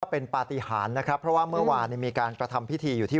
เป็นปฏิหารนะครับเพราะว่าเมื่อวานมีการกระทำพิธีอยู่ที่